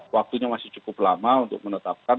waktunya masih cukup lama untuk menetapkan